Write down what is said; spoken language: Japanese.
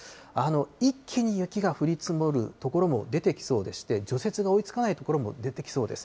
一気に雪が降り積もる所も出てきそうでして、除雪が追いつかない所も出てきそうです。